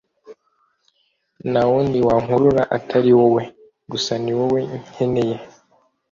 Ntawundi wankurura Atari wowe gusa niwowe nyeneye